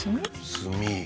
炭。